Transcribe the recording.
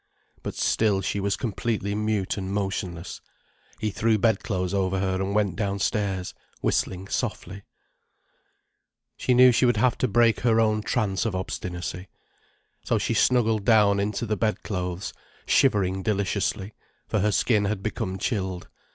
But still she was completely mute and motionless. He threw bedclothes over her and went downstairs, whistling softly. She knew she would have to break her own trance of obstinacy. So she snuggled down into the bedclothes, shivering deliciously, for her skin had become chilled.